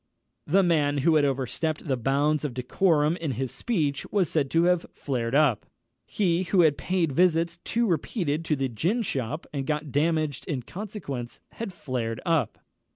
The man who had overstepped the bounds of decorum in his speech was said to have flared up; he who had paid visits too repeated to the gin shop, and got damaged in consequence, had flared up.